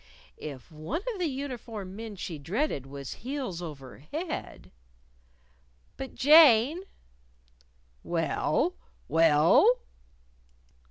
If one of the uniformed men she dreaded was heels over head "But, Jane." "Well? Well?"